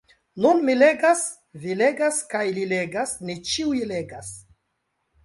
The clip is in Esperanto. Nun mi legas, vi legas kaj li legas; ni ĉiuj legas.